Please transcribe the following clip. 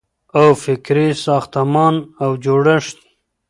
او فکري ساختمان او جوړښت